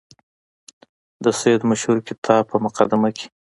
د سید مشهور کتاب په مقدمه کې.